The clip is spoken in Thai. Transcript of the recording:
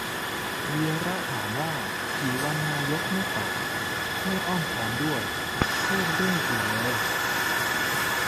วีระถามว่า กี่วัน นายกไม่ตอบ ไม่อ้อมค้อมด้วย พูดเรื่องอื่นเลย !